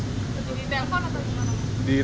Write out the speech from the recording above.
di telpon atau dimana